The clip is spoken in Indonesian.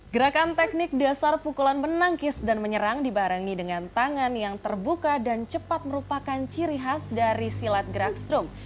gerakan teknik dasar pukulan menangkis dan menyerang dibarengi dengan tangan yang terbuka dan cepat merupakan ciri khas dari silat gerak strong